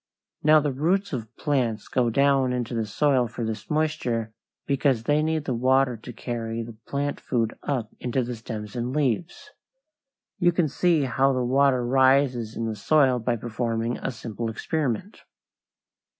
Now the roots of plants go down into the soil for this moisture, because they need the water to carry the plant food up into the stems and leaves. You can see how the water rises in the soil by performing a simple experiment.